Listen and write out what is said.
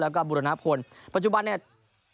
แล้วก็บุรณพลปัจจุบันสถาบัน